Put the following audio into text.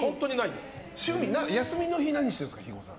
休みの日、何してるんですか肥後さん。